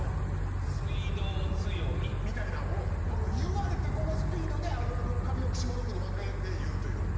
みたいなんを言われてこのスピードであるあるを上の句下の句に分けて言うというのが。